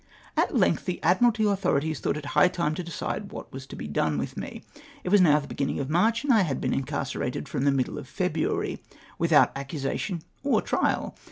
At length the Adnimilty authorities thought it high time to decide what was to be done with me. It was now the beginning of March, and I had been incarcerated fi'om the middle of February without accusation or trial.